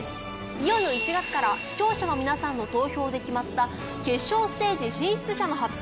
いよいよ１月から視聴者の皆さんの投票で決まった決勝ステージ進出者の発表。